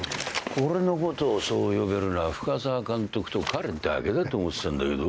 俺のことをそう呼べるのは深沢監督と彼だけだと思ってたんだけど？